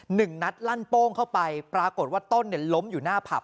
หนึ่งนัดลั่นโป้งเข้าไปปรากฏว่าต้นเนี่ยล้มอยู่หน้าผับ